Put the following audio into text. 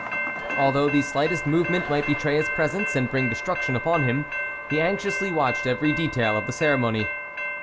Although the slightest movement might betray his presence and bring destruction upon him, he anxiously watched every detail of the ceremony.